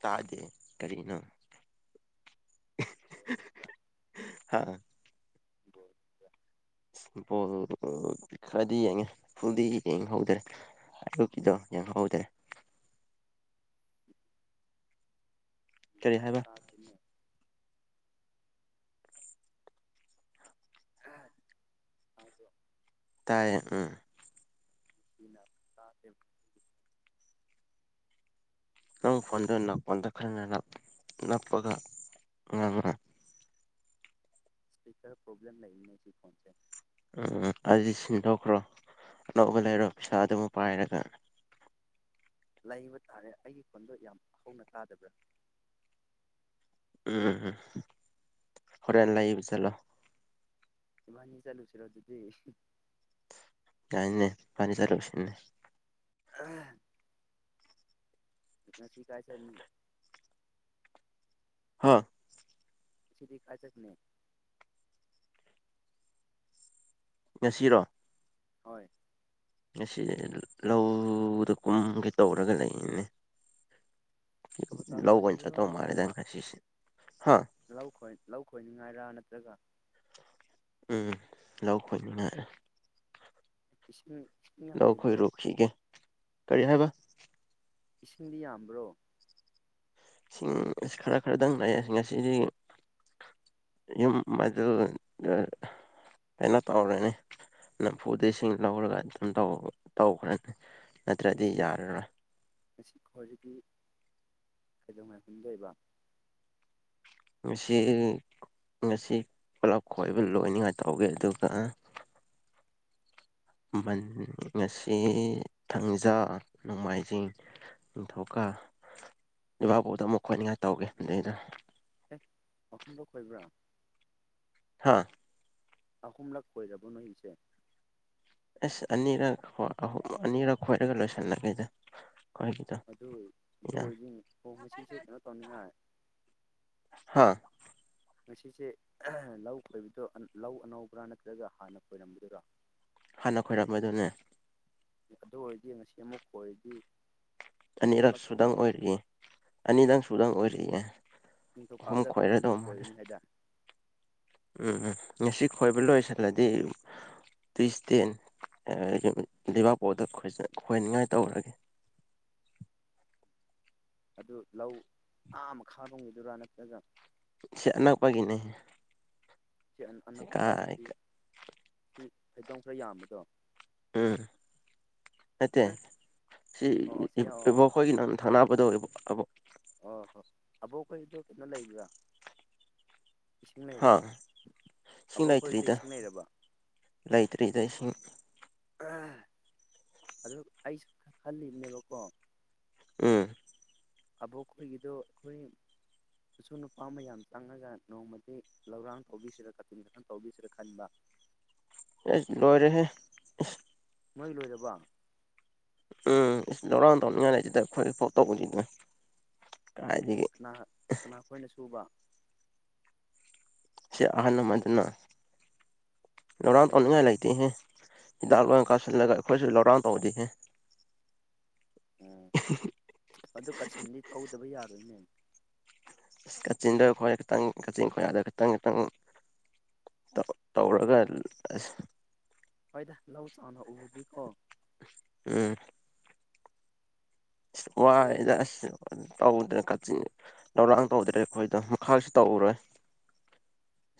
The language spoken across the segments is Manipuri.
ꯇꯥꯖꯦ ꯇꯔꯤꯅꯣ ꯍꯥꯥ ꯍꯣꯏ ꯄꯣꯜ ꯈꯔꯗꯤ ꯌꯦꯡꯉꯦ ꯐꯨꯜꯗꯤ ꯌꯦꯡꯍꯧꯗ꯭ꯔꯦ ꯌꯒꯗꯣ ꯌꯦ ꯍꯗꯦ [unintelligible] ꯀꯔꯤ ꯨꯔ ꯍꯥꯏꯕ ꯇꯥꯗꯅꯦ ꯑꯣ ꯇꯌꯦ ꯎ ꯇ ꯅꯪ ꯐꯣꯟꯗ ꯅꯛꯄꯗ ꯈ ꯅꯛꯄꯒ ꯉꯥꯡꯃꯦ ꯏꯁꯄꯤꯀꯔ ꯄꯣꯕꯂꯦꯝ ꯂꯩ ꯁꯤ ꯐꯣꯟꯁꯦ ꯎꯝ ꯑꯗꯨꯗꯤ ꯁꯤꯟꯗꯣꯛꯈ꯭ꯔꯣ ꯑꯅꯧꯕ ꯂꯩꯔꯣ ꯄꯩꯁꯥ ꯍꯣꯏ ꯑꯗꯨꯃ ꯄꯥꯏꯔꯒ ꯂꯩꯕ ꯇꯥꯔꯦ ꯑꯩꯒꯤ ꯈꯨꯣꯟꯗꯣ ꯌꯥꯝ ꯍꯧꯅ ꯇꯥꯗꯕ꯭ꯔꯥ ꯎꯝ ꯎꯝ ꯍꯣꯔꯦꯟꯅ ꯂꯩꯥꯛ ꯄꯁꯂꯣ ꯃꯥꯅꯤ ꯆꯂꯨꯁꯤ ꯔꯖꯗꯤ ꯌꯥꯥꯏꯅꯦ ꯄꯅꯤ ꯆꯂ ꯎꯆꯁꯤꯅꯦ ꯎꯝ ꯁꯤ ꯀꯥꯏꯁꯅꯤ ꯍꯥꯥ ꯁꯤꯗꯤ ꯑꯖꯛꯅꯦ ꯉꯁꯤꯔꯣ ꯍꯣꯏ ꯉꯁꯤ ꯂꯧꯗ ꯀꯨꯝꯒꯦ ꯇꯧꯔꯒ ꯂꯩꯅꯦ ꯀꯕꯨꯇꯥ ꯂꯧ ꯑꯣꯏꯅ ꯈꯣꯏꯅꯕꯔꯣ ꯆꯠꯇꯧ ꯃꯥꯜꯂꯦꯗ ꯅꯠꯇ꯭ꯔꯒ ꯉꯁꯤꯁꯦ ꯍꯥ ꯂꯧ ꯈꯣꯏ ꯂꯧ ꯈꯣꯏꯅꯤꯡꯉꯥꯏꯔ ꯅꯠꯇ ꯖꯒꯥ ꯎꯝ ꯂꯧ ꯈꯣꯠꯅꯤꯡꯉꯥꯏꯔꯦ ꯏꯁ ꯅꯈꯣꯏꯔꯣꯛꯈꯤꯒꯦ ꯀꯔꯤ ꯍꯥꯏꯕ ꯏꯁꯤꯡꯗꯤ ꯌꯥꯝꯕ꯭ꯔꯣ ꯏꯁꯤꯡ ꯈꯔ ꯈꯔꯗꯪꯁꯤꯡ ꯉꯁꯤꯗꯤ ꯌ ꯃꯗꯨ ꯐꯩꯅ ꯇꯧꯔꯅꯤ ꯅꯝꯐꯨꯗꯒꯤꯁꯤꯡ ꯂꯧꯔꯒ ꯑꯗꯨꯝ ꯇꯧꯈ꯭ꯔꯅꯤ ꯅꯠꯇ꯭ꯔꯗꯤ ꯉꯁꯤ ꯌꯥꯔꯔꯣꯏ ꯉꯁꯤ ꯈ꯭ꯒꯤ ꯀꯩꯗꯧꯉꯥꯏꯐꯝꯗ ꯑꯣꯏꯕ ꯁꯤ ꯉꯁꯤ ꯄꯨꯂꯞ ꯈꯣꯏꯕ ꯂꯣꯏꯅꯤꯡꯉꯥꯏ ꯇꯧꯒꯦ ꯑꯗꯨꯒ ꯟ ꯑꯁꯤ ꯊꯪꯖꯥ ꯅꯣꯡꯃꯥꯏꯖꯤꯡ ꯅꯤꯡꯊꯧꯀ ꯏꯕꯥꯛꯄꯨꯗ ꯑꯃꯨꯛ ꯈꯣꯠꯅꯤꯡꯉꯥꯏ ꯇꯧꯒꯦ ꯑꯗꯨꯩꯗ ꯑꯦ ꯃꯍꯐꯝꯗꯣ ꯈꯣꯏꯕ꯭ꯔꯥ ꯍꯥꯥ ꯑꯍꯣꯝꯂꯥꯛ ꯀꯣꯏꯖꯕ ꯂꯁ ꯑꯦꯁ ꯑꯅꯤꯔꯛ ꯑꯅꯤꯔꯛ ꯈꯣꯏꯔꯒ ꯂꯣꯏꯁꯟꯂꯒꯦꯗ ꯑꯗꯨ ꯑꯗꯨ ꯑꯣꯏꯗꯣꯏꯅꯤ ꯑꯣ ꯃꯁꯤꯁꯦ ꯀꯩꯅꯣ ꯇꯧꯅꯤꯡꯉꯥꯏ ꯍꯥꯥ ꯉꯁꯤꯁꯦ ꯂꯧ ꯈꯣꯏꯕꯗꯣ ꯂꯧ ꯑꯅꯧꯕ꯭ꯔꯥ ꯅꯠꯇ꯭ꯔꯒ ꯍꯥꯟꯅ ꯈꯣꯏꯔꯝꯝꯕꯗꯨꯔꯥ ꯍꯥꯟꯅ ꯈꯣꯏꯔꯝꯃꯦꯗꯨꯅꯦ ꯑꯗꯨ ꯑꯣꯏꯔꯗꯤ ꯉꯁꯤ ꯑꯃꯨꯛ ꯑꯣꯏꯔꯗꯤ ꯑꯅꯤꯔꯛ ꯁꯨꯗꯪ ꯑꯣꯏꯔꯤꯌꯦꯦ ꯑꯅꯤꯗꯪ ꯁꯨꯗꯪ ꯑꯣꯏꯔꯤꯌꯦ ꯑꯍꯨꯝ ꯅꯤꯡꯊꯧꯀꯥꯕꯗ ꯑꯃꯨꯛ ꯈꯣꯏꯔꯗꯧꯕ ꯃꯥꯅꯦ ꯈꯣꯏꯒꯅꯤ ꯍꯥꯏꯗꯥꯏ ꯎꯝ ꯎꯝ ꯉꯁꯤ ꯈꯣꯏꯕ ꯑꯗꯨ ꯂꯣꯏꯁꯤꯜꯂꯗꯤ ꯇꯨꯏꯁ ꯇꯦꯟ ꯂꯩꯕꯥꯛꯄꯣꯗ ꯈꯣꯏꯅꯤꯡꯉꯥꯏ ꯇꯧꯔꯒꯦ ꯑꯗꯨ ꯂꯧ ꯑꯥ ꯑꯃ ꯈꯥꯔꯝꯈꯤꯗꯨꯔꯥ ꯅꯠꯇ꯭ꯔꯒ ꯁꯅꯄꯒꯤꯅꯦ ꯁꯤ ꯑꯅꯛꯄ ꯍꯥꯏꯁꯤ ꯁꯤ ꯐꯩꯗꯧꯝ ꯈꯔ ꯌꯥꯝꯕꯗꯣ ꯎꯝ ꯅꯠꯇꯦ ꯑꯦ ꯑꯣ ꯑꯣ ꯁꯤ ꯑꯣ ꯁꯤꯕ ꯑꯣ ꯑꯩꯈꯣꯏꯒꯤ ꯅꯪꯅ ꯊꯪꯅꯕꯗꯧꯏꯕ ꯑꯕ ꯑꯣ ꯍꯣ ꯑꯕꯣꯛꯈꯩꯗꯣ ꯀꯩꯅꯣ ꯂꯩꯕ꯭ꯔꯥ ꯏꯁꯤꯡ ꯍꯥ ꯂꯩꯔꯕ ꯏꯁꯤꯡ ꯑꯕꯣꯛ ꯈꯣꯏꯗ ꯂꯩꯇ꯭ꯔꯤꯗ ꯏꯁꯤꯡ ꯂꯩꯔꯕ ꯂꯩꯇ꯭ꯔꯤꯗ ꯏꯁꯤꯡ ꯑꯗꯨ ꯑꯩꯁꯨ ꯈꯜꯂꯤꯕꯅꯦꯕꯀꯣ ꯎꯝ ꯑꯕꯣ ꯈ ꯌꯗ ꯑꯩꯈꯣꯏ ꯑꯁꯨ ꯅꯨꯄꯥ ꯃꯌꯥꯝ ꯆꯪꯉꯒ ꯅꯣꯡꯃꯗꯤ ꯂꯧꯔꯥꯡ ꯇꯧꯕꯤꯁꯤꯔꯥ ꯀꯥꯆꯤꯟ ꯀꯊꯪ ꯇꯧꯕꯤꯁꯤꯔꯥ ꯈꯟꯕ [inaudible] ꯑꯦ ꯂꯣꯏꯔꯦꯍꯦ ꯃꯣꯏ ꯂ ꯑꯣꯏꯗꯕ ꯎꯝ ꯂꯔꯥꯡꯗ ꯂꯩ ꯆꯗ ꯑꯩꯈꯣꯏ ꯐꯣꯠꯇꯣ ꯑꯦ ꯀꯅꯥ ꯀꯅꯥ ꯑꯩꯣꯏꯅ ꯁꯨꯕ ꯁꯤ ꯑꯍꯟꯃꯗꯨꯅ ꯂꯧꯔ ꯑꯦ ꯇꯧꯅꯤꯡꯉꯥꯏ ꯂꯩꯇꯦꯍꯦ ꯍꯤꯗꯥꯛ ꯂꯣꯏ ꯀꯥꯁꯤꯜꯂꯒ ꯑꯩꯈꯣꯏꯁꯨ ꯂꯧꯔꯥꯎ ꯇꯧꯗꯅꯦ ꯎꯝ ꯑꯗꯨ ꯀꯥꯆꯤꯟꯗꯤ ꯇꯧꯗꯕ ꯌꯥꯔꯣꯏꯅꯦ ꯑ ꯀꯛꯆꯤꯟꯗ ꯈꯣꯏ ꯈꯤꯇꯪ ꯀꯛꯆꯤꯟ ꯈꯣꯏ ꯑꯗ ꯈꯤꯇꯪ ꯈꯤꯇꯪ ꯇꯧꯔꯒ ꯑꯁ ꯍꯣꯏꯗ ꯂꯧ ꯆꯥꯅ ꯎꯔꯗꯤꯀꯣ ꯑ ꯑꯩꯈꯣꯏ ꯋꯥꯏꯗꯁꯤ ꯇꯧꯗ꯭ꯔꯦ ꯀꯥꯆꯤꯟ ꯂꯧꯧꯔꯥꯡ ꯇꯧꯗ꯭ꯔꯦ ꯑꯩꯈꯣꯏꯗ ꯃꯈꯥꯁꯨ ꯇꯧꯔꯔꯣꯏ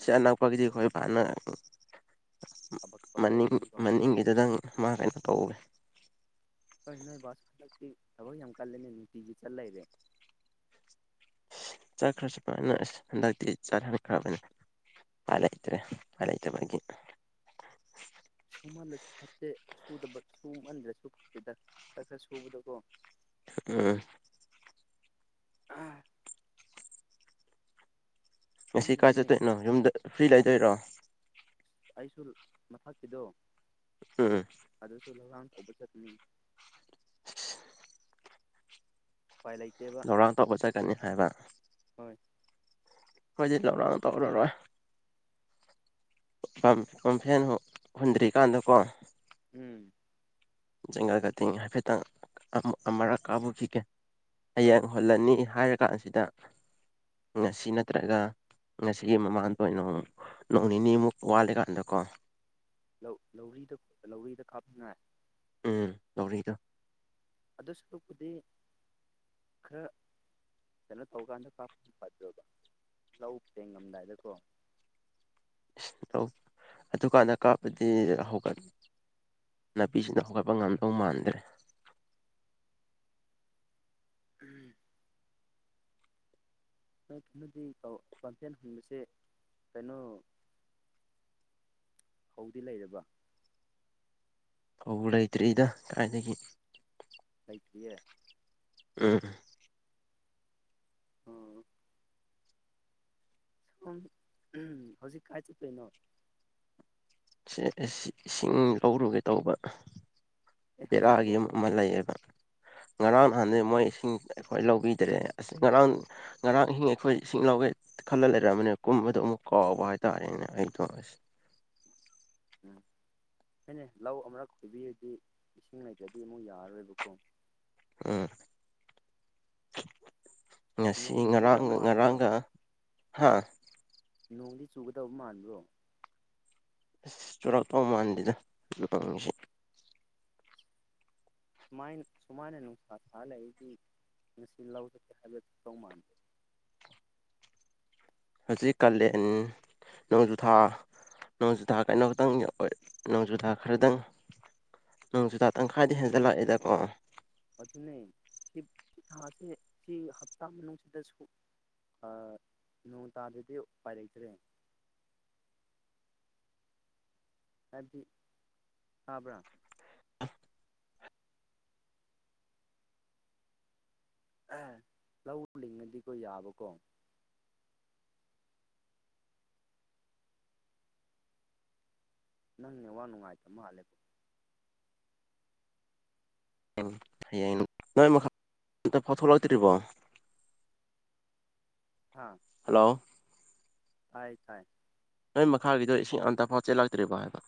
ꯁꯤꯅꯄꯒꯗꯤ ꯈ ꯄꯅ ꯊꯕꯛ ꯊꯕꯛ ꯃꯅꯤꯡ ꯇꯧꯔꯝꯃꯅꯤꯀꯣ ꯃꯅꯤꯡꯒꯤꯗꯨꯗꯪ ꯃꯥ ꯀꯩꯅꯣ ꯇꯧꯒꯦ ꯍꯣꯏ ꯅꯣꯏ ꯕꯥꯁ ꯍꯟꯗꯛꯇꯤ ꯊꯕꯛ ꯌꯥꯝ ꯀꯜꯂꯦꯅꯦ ꯅꯨꯡꯇꯤꯒꯤ ꯆꯠ ꯂꯩꯔꯦ ꯆꯥ ꯈ꯭ꯔꯁꯨ ꯐꯥ ꯑꯁ ꯍꯟꯗꯛꯇꯤ ꯆꯥ ꯍꯥꯟꯈ꯭ꯔꯕꯅꯦ ꯑꯂꯦ ꯏꯇꯔ ꯑꯂꯩ ꯏꯇ ꯐꯒꯤ ꯁꯨꯍꯜꯂꯁꯨ ꯐꯠꯇꯦ ꯁꯨꯗꯕ ꯁꯨꯍꯟꯗꯁꯨ ꯐꯠꯇꯦꯗ ꯈꯔ ꯈꯔ ꯁꯨꯕꯗꯀꯣ ꯎꯝ ꯑ ꯉꯁꯤ ꯀꯥꯏ ꯈꯪꯗ꯭ꯔꯦꯅꯦ ꯆꯠꯇꯣꯏꯅꯣ ꯌꯨꯝꯗ ꯐ꯭ꯔꯤ ꯂꯩꯗꯣꯏꯔꯣ ꯑꯩꯁꯨ ꯃꯊꯛꯀꯤꯗꯣ ꯎꯝ ꯑꯗꯨꯁꯨ ꯑꯣꯕ ꯆꯠꯅꯤ ꯎꯄꯥꯏ ꯂꯩꯇꯦꯕ ꯊꯧꯔꯥꯡ ꯇꯧꯕ ꯆꯠꯀꯅꯤ ꯍꯥꯏꯕ ꯍꯣꯏ ꯐꯣꯏꯖꯤꯠ ꯂꯧꯔꯅ ꯇꯧꯔꯔꯣꯏ ꯄꯝꯐꯦꯟ ꯍꯨꯟꯗ꯭ꯔꯤꯀꯥꯟꯗꯀꯣ ꯎꯝ ꯖꯪꯒꯜ ꯀꯇꯤꯡ ꯍꯥꯏꯐꯦꯠꯇꯪ ꯑꯃꯨꯔꯛ ꯀꯥꯕꯨꯈꯤꯒꯦ ꯂꯧ ꯍꯌꯦꯡ ꯍꯣꯜꯂꯅꯤ ꯍꯥꯏꯔꯀꯥꯟꯁꯤꯗ ꯉꯁꯤ ꯅꯠꯇ꯭ꯔꯒ ꯉꯁꯤꯒꯤ ꯃꯃꯥꯡꯗꯣ ꯅꯣꯡ ꯅꯣꯡ ꯅꯤꯅꯤꯃꯨꯛ ꯋꯥꯠꯂꯀꯥꯟꯗꯀꯣ ꯂꯧꯗ ꯂꯧꯔꯤꯗ ꯀꯥꯞꯃꯤꯉꯥꯏ ꯎꯝ ꯇꯧꯔꯛꯏꯗꯣ ꯑꯗꯨ ꯁꯔꯨꯛꯄꯨꯗꯤ ꯈꯔ ꯌꯥꯝꯅ ꯆꯧꯒꯥꯟꯗ ꯀꯥꯄ ꯐꯖꯕ ꯂꯧ ꯇꯦꯡꯉꯝꯗꯥꯏꯗꯀꯣ ꯏꯁꯧ ꯑꯗꯨꯀꯥꯟꯗ ꯀꯥꯞꯄꯗꯤ ꯍꯧꯒꯅꯤ ꯅꯥꯄꯤꯁꯤꯡꯅ ꯍꯧꯒꯠꯄ ꯉꯝꯗꯧ ꯃꯥꯟꯗ꯭ꯔꯦ [inaudible] ꯎꯝ ꯅꯣꯏ ꯀꯩꯅꯣꯗꯤ ꯄꯝꯐꯦꯟ ꯍꯟꯕꯁꯦ ꯀꯩꯅꯣ ꯍꯧꯗꯤ ꯂꯩꯔꯕ ꯍ ꯂꯩꯇ꯭ꯦꯗ ꯀꯗꯥꯥꯏꯏꯗꯒꯤ ꯀꯩꯀꯤꯦ ꯎꯝ ꯑꯣ ꯁꯣꯝ ꯎ ꯍꯧꯖꯤꯛ ꯀꯥꯏ ꯆꯠꯇꯣꯏꯅꯣ ꯏꯁꯤꯡ ꯂꯧꯔꯨꯒꯦ ꯇꯧꯕ ꯑꯦ ꯍꯧꯖꯤꯛꯄꯣ ꯔꯒꯤ ꯃꯂꯌꯦꯕ ꯉꯔꯥꯡ ꯅꯍꯥꯟꯗꯩ ꯎꯝ ꯃꯣꯏ ꯏꯁꯤꯡ ꯑꯩꯈꯣꯏ ꯂꯧꯕꯤꯗ꯭ꯔꯦ ꯑꯁ ꯉꯔꯥꯡ ꯉꯔꯥꯡ ꯏꯤꯡ ꯑꯩꯈꯣꯏ ꯏꯁꯤꯡ ꯂꯧꯒꯦ ꯈꯜꯂ ꯂꯩꯔꯝꯕꯅꯦ ꯀꯨꯝꯕꯗꯣ ꯑꯃꯨꯛ ꯀꯥꯎꯕ ꯇꯥꯔꯦꯅꯦ ꯎꯝ ꯍꯣꯏꯅꯦ ꯂꯧ ꯑꯃꯔꯛ ꯈꯣꯏꯕꯤꯔꯗꯤ ꯏꯁꯤꯡ ꯂꯩꯇꯗꯤ ꯑꯃꯨꯛ ꯌꯥꯔꯔꯣꯏꯕꯀꯣ ꯎꯝ ꯉꯁꯤ ꯅꯣꯡ ꯆꯨꯒꯗꯕ ꯉꯔꯥꯡꯒ ꯃꯥꯟꯕ꯭ꯔꯣ ꯉꯔꯥꯡꯒ ꯍꯥꯥ ꯅꯣꯡꯗꯤ ꯆꯨꯒꯗꯕ ꯃꯥꯟꯕ꯭ꯔꯣ ꯑꯁ ꯆꯨꯔꯛꯇꯧ ꯃꯥꯟꯗꯦꯗꯪꯉꯁꯤ ꯁꯨꯃꯥꯏꯅ ꯁꯨꯃꯥꯏꯅ ꯅꯨꯡꯁꯥ ꯊꯥ ꯂꯩ ꯑꯩꯗꯤ ꯉꯁꯤ ꯂꯧꯖꯒꯦ ꯍꯥꯏꯕꯗꯨ ꯇꯧ ꯃꯥꯟꯗꯦ ꯍꯧꯖꯤꯛ ꯀꯥꯂꯦꯟ ꯅꯣꯡꯖꯨꯊꯥ ꯅꯣꯡꯖꯨꯊꯥ ꯀꯩꯅꯣ ꯈꯛꯇꯪ ꯑꯣꯏ ꯅꯣꯡꯖꯨꯊꯥ ꯈꯔꯗꯪ ꯅꯣꯡ ꯆꯨꯗꯥ ꯇꯪꯈꯥꯏꯗ ꯍꯦꯟꯖꯜꯂꯛꯑꯦꯗꯀꯣ ꯑꯗꯨꯅꯦ ꯁꯤ ꯊꯥꯁꯦ ꯁꯤ ꯍꯞꯇꯥ ꯃꯅꯨꯡꯁꯤꯗꯁꯨ ꯅꯣꯡ ꯇꯥꯗꯗꯤ ꯎꯄꯥꯏꯔꯛꯇ꯭ꯔꯦ ꯍꯥꯏ ꯍꯥꯥꯕ꯭ꯔꯥ ꯂꯧ ꯂꯉꯗꯤꯀꯣ ꯌꯥꯕꯀꯣ ꯅꯪꯅꯦ ꯋꯥ ꯅꯨꯡꯉꯥꯏꯇꯕ ꯃꯥꯜꯂꯦꯕꯣ ꯍꯌꯦꯡ ꯅꯣꯏ ꯃꯈꯥ ꯑꯇ ꯐꯥꯎꯊꯣꯛꯂꯛꯇ꯭ꯔꯤꯕꯣ ꯍꯥ ꯍꯜꯂꯣ ꯇꯥꯏ ꯇꯥꯏ ꯅꯣꯏ ꯃꯈꯥꯒꯤꯗꯣ ꯏꯁꯤꯡ ꯑꯟꯇꯥꯐꯥꯎ ꯆꯦꯜꯂꯥꯛꯇ꯭ꯔꯤꯕ ꯍꯥꯏꯕ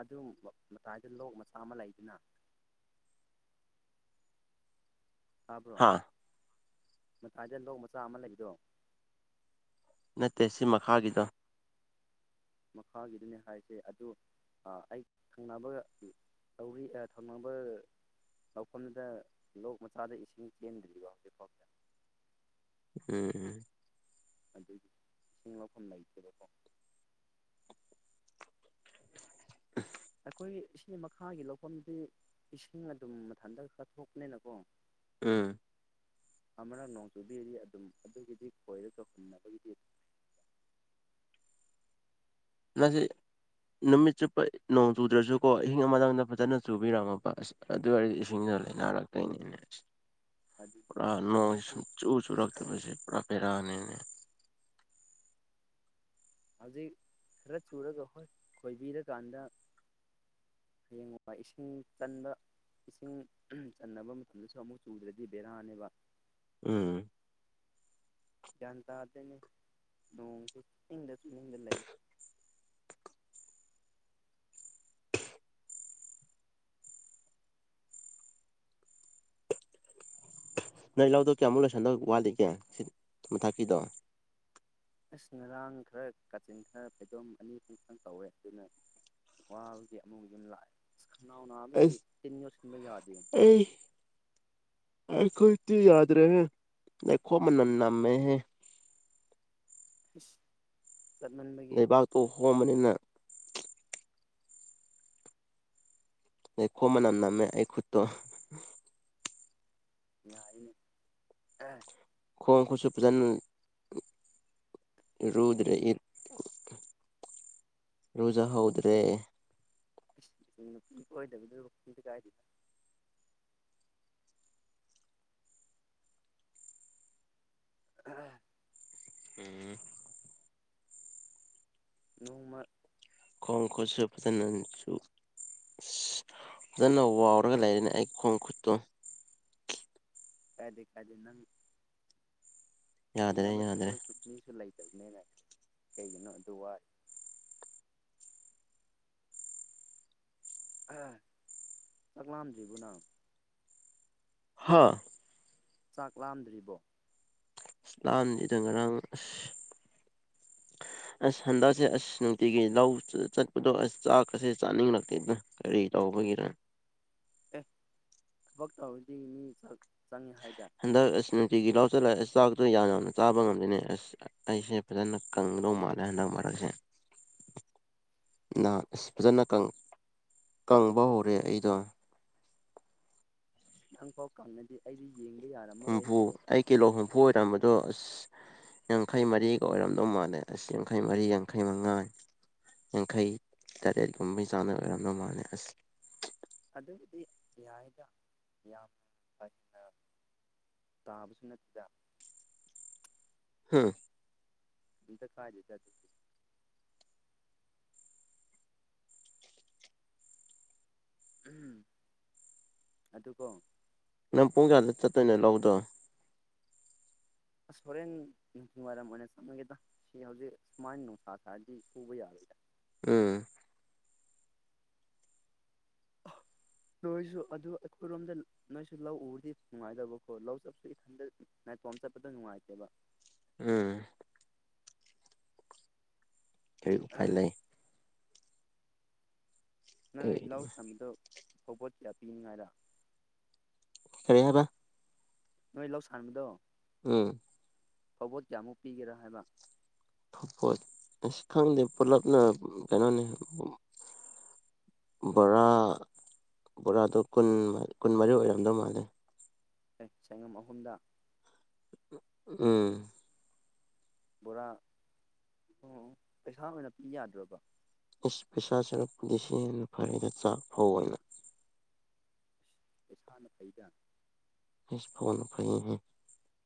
ꯑꯗꯨ ꯃꯇꯥꯏꯗ ꯂꯣꯛ ꯃꯆꯥ ꯑꯃ ꯂꯩꯗꯅ ꯇꯥꯕ꯭ꯔꯣ ꯍꯥ ꯃꯇꯥꯏꯗ ꯂꯧꯣꯛ ꯃꯆꯥ ꯑꯃ ꯂꯩꯕꯗꯣ ꯅꯠꯇꯦ ꯁꯤ ꯃꯈꯥꯒꯤꯗ ꯃꯈꯥꯒꯤꯗꯨꯅꯦ ꯍꯥꯏꯁꯦ ꯑꯗꯨ ꯑꯩ ꯊꯪꯅꯕꯒꯗꯤ ꯇꯧꯤ ꯊꯧꯅꯕ ꯂꯧꯐꯝꯗꯨꯗ ꯂꯣꯛ ꯃꯆꯥꯗ ꯏꯁꯤꯡ ꯆꯦꯟꯗ꯭ꯔꯤꯕ ꯍꯧꯖꯤꯛ ꯐꯥꯎꯕꯗ ꯎꯝ ꯎꯝ ꯑꯗꯨꯒꯤ ꯏꯁꯤꯡ ꯂꯧꯐꯝ ꯂꯩꯇꯦꯕꯀꯣ ꯑꯩꯈꯣꯏ ꯏ ꯃꯈꯥꯒꯤ ꯂꯧꯐꯝꯗꯤ ꯏꯁꯤꯡ ꯑꯗꯨꯝ ꯃꯊꯟꯇ ꯀꯥꯊꯣꯛꯄꯅꯤꯅꯀꯣ ꯑꯥ ꯑꯃꯅꯛ ꯅꯣꯡ ꯆꯨꯕꯤꯔꯤ ꯑꯗꯨꯝ ꯑꯗꯨꯒꯤꯗꯤ ꯈꯣꯏꯔ ꯆꯧꯁꯤꯟꯅꯕꯒꯤꯗꯤ ꯑꯗꯨ [inaudible] ꯃꯥꯁꯤ ꯅꯨꯃꯤꯠ ꯆꯨꯞꯄ ꯅꯣꯡ ꯆꯨꯗ꯭ꯔꯁꯨꯀꯣ ꯑꯍꯤꯡ ꯑꯃꯇꯪꯗ ꯐꯖꯅ ꯆꯨꯕꯤꯔꯝꯃꯕ ꯑꯁ ꯑꯗꯨ ꯑꯣꯏꯔꯗꯤ ꯏꯁꯤꯡ ꯂꯩꯔ ꯀ ꯑꯗꯨ ꯄꯨꯔꯥ ꯅꯣꯡꯁꯤ ꯍꯥꯏꯕꯗꯤ ꯁꯨꯝ ꯆꯨ ꯆꯨꯔꯛꯇꯕꯁꯦ ꯄꯨꯔꯥ ꯄꯦꯔꯥꯅꯤꯅꯦ ꯍꯧꯖꯤꯛ ꯈꯔ ꯆꯨꯔꯒ ꯍꯣꯏ ꯈꯣꯏꯕꯤꯔꯀꯥꯟꯗ ꯍꯌꯦꯡ ꯏ ꯏꯁꯤꯡ ꯆꯟꯕ ꯏꯁꯤꯡ ꯆꯟꯅꯕ ꯃꯇꯝꯗꯁꯨ ꯑꯃꯨꯛ ꯆꯨꯗ꯭ꯔꯗꯤ ꯕꯦꯔꯥꯅꯦꯕ ꯎꯝ ꯟꯗ ꯑꯗꯅꯦ ꯂꯣꯡꯁꯤ ꯊꯤꯡꯗ ꯁꯅꯗ ꯂꯩ [inaudible] ꯅꯣꯏ ꯂꯧꯗꯧ ꯀꯌꯥꯃꯨꯛ ꯂꯣꯏꯁꯟꯗꯧ ꯋꯥꯠꯂꯤꯒꯦ ꯃꯊꯛꯀꯤꯗꯣ ꯑꯁ ꯉꯔꯥꯡ ꯈꯔ ꯀꯥꯆꯤꯟ ꯈꯔ ꯐꯩꯗꯣꯝ ꯑꯅꯤ ꯈꯨꯈꯪ ꯀꯧꯋꯦ ꯑꯗꯨꯅ ꯋꯥꯕꯨꯗꯤ ꯑꯃꯕꯨ ꯑꯗꯨꯝ ꯂꯥꯛꯑꯦ ꯅꯅꯕ ꯑꯁ ꯇꯅꯤ ꯑꯣꯁꯤꯡꯕ ꯌꯥꯗ ꯑꯩꯈꯣꯏ ꯏꯤ ꯌꯥꯗ ꯔꯦ ꯅꯈꯣ ꯃꯅꯅꯥ ꯃ ꯍ ꯆꯠꯃꯟꯕꯒꯤ ꯐꯃꯅꯤꯅ ꯑꯩꯈꯣ ꯃꯅꯥꯝ ꯅꯝꯃꯦ ꯑꯩꯈꯨꯗꯇꯣ ꯌꯥꯏꯅꯦ ꯈꯣꯡꯣꯡ ꯈꯨꯁꯨ ꯐꯖꯅ ꯔꯔꯨꯗ꯭ꯔꯦ ꯏ ꯔꯣꯖ ꯍꯧꯗ꯭ꯔꯦ ꯅꯨꯄꯤ ꯑꯣꯏꯗꯕꯗꯨꯗꯤ ꯀꯥꯏꯔꯤꯗ ꯑ ꯎꯝ ꯅꯣꯡꯃ ꯀꯪꯀꯣꯁꯨ ꯆꯄꯗ ꯅꯆꯨ ꯑ ꯐꯖꯅ ꯋꯥꯎꯔꯒ ꯂꯩꯔꯅꯦ ꯑꯩ ꯈꯣꯡ ꯈꯨꯠꯇꯣ ꯀꯥꯏꯗꯦ ꯀꯥꯏꯗꯦ ꯅꯪ ꯌꯥꯗ꯭ꯔꯦ ꯑꯩꯅꯅꯥꯕ ꯆ ꯌꯥꯗ꯭ꯔꯦ ꯁꯨꯛꯅꯤꯁꯨꯨ ꯂꯩꯥꯏ ꯆꯅ ꯀꯩꯅ ꯗ ꯄꯨꯋꯥ ꯄꯨꯋꯥ ꯆꯥꯛ ꯂꯝꯖꯤꯕꯨꯅꯝ ꯍꯥꯥ ꯆꯥꯛ ꯂꯥꯝꯗ꯭ꯔꯤꯕꯣ ꯏꯁꯂꯥꯝꯅꯤꯗ ꯉꯔꯥꯡ ꯑꯁ [unintelligible] ꯑꯁ ꯍꯟꯗꯛꯁꯦ ꯑꯁ ꯅꯨꯡꯇꯤꯒꯤ ꯂꯧ ꯆꯠꯄꯗꯣ ꯑꯁ ꯆꯥꯛꯀꯁꯦ ꯆꯥꯅꯤꯡꯂꯛꯇꯦꯗꯅ ꯀꯔꯤ ꯇꯧ ꯕꯒꯔ ꯑꯦ ꯊꯕꯛ ꯇꯧꯔꯗꯤ ꯃꯤ ꯆꯪꯉꯦ ꯍꯥꯏꯗꯔꯦ ꯇꯤꯒꯤ ꯂꯧꯁꯤꯜꯂꯑꯦ ꯆꯥꯛꯇꯨꯣ ꯌꯥꯝ ꯌꯥꯝꯅ ꯆꯥꯕ ꯉꯝꯗꯣꯏꯅꯦ ꯑꯁ ꯑꯩꯁꯦ ꯐꯖꯅ ꯀꯪꯗꯧ ꯃꯥꯜꯂꯦ ꯍꯟꯗꯛ ꯃꯥꯜ ꯑꯦ [unintelligible] ꯅꯍ ꯑꯁ ꯐꯖꯅ ꯀꯪꯕ ꯍꯧꯔꯦ ꯑꯩꯗꯣ ꯅꯪ ꯐꯥꯎ ꯀꯪꯅꯗꯦ ꯑꯩꯗꯤ ꯌꯦꯡꯕ ꯍꯨꯝꯐꯨ ꯌꯥꯔꯝꯃꯔꯣꯏꯍꯦ ꯑꯩ ꯀꯤꯂꯣ ꯍꯨꯝꯐꯨ ꯑꯣꯏꯔꯝꯕꯗꯣ ꯑ ꯑꯁ ꯌꯥꯡꯈꯩ ꯃꯔꯤꯒ ꯑꯣꯏꯔꯝꯗꯧ ꯃꯥꯜꯂꯦ ꯑꯁ ꯌꯥꯡꯈꯩ ꯃꯔꯤ ꯌꯥꯡꯈꯩ ꯃꯉꯥ ꯌꯥꯡꯈꯩ ꯇꯔꯦꯠꯀꯨꯝꯕꯩ ꯆꯥꯡꯅ ꯑꯣꯏꯔꯝ ꯅ ꯃꯥꯜꯂꯦ ꯑꯁ ꯑꯗꯨꯒꯤꯗꯤ ꯌꯥꯏꯗ ꯌꯥꯝꯅ ꯐꯅ ꯇꯥꯕꯁꯨ ꯅꯠꯇ ꯍꯥꯝ ꯑꯗꯨꯗ ꯀꯥꯏꯖ ꯆ ꯎꯝ ꯑꯗꯨ ꯀꯣ ꯅꯪ ꯄꯨꯡ ꯀꯌꯥꯗ ꯆꯠꯇꯣꯏꯅ ꯂꯧꯗꯣ ꯑꯁ ꯍꯣꯔꯦꯟ ꯅꯨꯡꯊꯤ ꯋꯥꯏꯔꯝ ꯑꯣꯏꯅ ꯆꯪꯃꯒꯦꯗ ꯁꯤ ꯍꯧꯖꯤꯛ ꯁꯨꯃꯥꯏꯅ ꯅꯨꯡꯁꯥ ꯈꯔꯗꯤ ꯁꯨꯕ ꯌꯥꯔꯣꯏꯗ ꯎꯝ ꯑ ꯅꯣꯏꯁꯨ ꯑꯗꯨ ꯑꯩꯈꯣꯏꯔꯣꯝꯗ ꯅꯣꯏꯁꯨ ꯂꯧ ꯎꯔꯗꯤ ꯅꯨꯡꯉꯥꯏꯗꯕꯀꯣ ꯂꯧ ꯆꯞꯁꯨ ꯏꯊꯟꯗ ꯣꯝ ꯆꯠꯄꯗ ꯅꯨꯡꯉꯥꯏꯇꯦꯕ ꯎꯝ ꯀꯔꯤ ꯎꯄꯥꯏ ꯂꯩ ꯅꯪ ꯑꯩ ꯂꯧ ꯁꯕꯤꯗꯣ ꯐꯧꯕꯣꯠ ꯀꯌꯥ ꯄꯤꯅꯤꯉꯥꯏꯔ ꯀꯔꯤꯦ ꯍꯥꯏꯕ ꯅꯣꯏ ꯂꯧ ꯁꯥꯟꯕꯗꯣ ꯎꯝ ꯀꯕꯣ ꯀꯌꯥꯃꯨꯛ ꯄꯤꯒꯦꯔꯥ ꯍꯥꯏꯕ ꯄꯣꯠ ꯑ ꯈꯪꯗꯦ ꯄꯨꯂꯞꯅ ꯀꯩꯅꯣꯅꯤ ꯕꯣꯔꯥ ꯕꯣꯔꯥꯗꯨꯣ ꯀꯨ ꯀꯨꯟꯃꯔꯤ ꯑꯣꯏꯔꯝꯗꯧ ꯃꯥꯜꯂꯦ ꯑꯦ ꯁꯉꯝ ꯑꯍꯨꯝꯗ ꯎꯝ ꯕꯣꯔꯥ ꯑꯣ ꯄꯩꯁꯥ ꯑꯣꯏꯅ ꯄꯤ ꯌꯥꯗ꯭ꯔꯕ ꯏꯁ ꯄꯩꯁꯥ ꯁꯔꯨꯛ ꯂꯤꯁꯤꯡ ꯑ ꯐꯔꯤꯦꯗ ꯆꯥꯛ ꯐꯥꯎ ꯑꯣꯏꯅ ꯏꯁꯥꯅ ꯐꯩꯗꯅ ꯏꯁ ꯐꯟꯄꯥꯏ